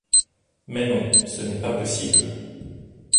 Mais, non, ce n’est pas possible.